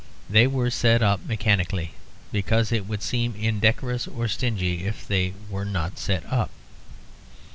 They were set up mechanically, because it would seem indecorous or stingy if they were not set up.